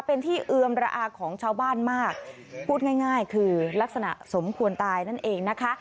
เป็นที่เอือมระอาของชาวบ้านมากพูดง่ายง่ายคือลักษณะสมควรตายนั่นเองนะคะ